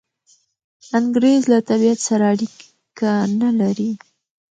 انګریز له طبیعت سره اړیکه نلري.